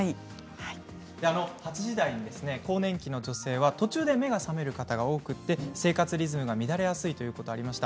８時台に更年期の女性は途中で目が覚める方が多くて生活リズムが乱れやすいということがありました。